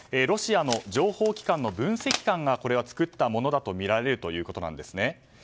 ロシアの情報機関の分析官が作ったものだとみられるということなんです。